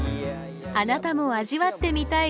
あなたも味わってみたい